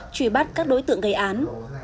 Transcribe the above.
trùy bắt các đối tượng gây án